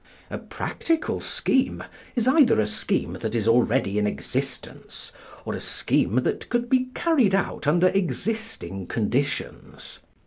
A practical scheme is either a scheme that is already in existence, or a scheme that could be carried out under existing conditions.